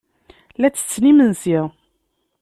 La ttetten imensi.